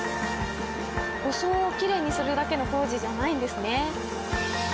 装をきれいにするだけの工事じゃないんですね。